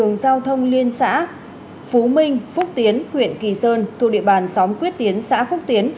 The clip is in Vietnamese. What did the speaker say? đường giao thông liên xã phú minh phúc tiến huyện kỳ sơn thuộc địa bàn xóm quyết tiến xã phúc tiến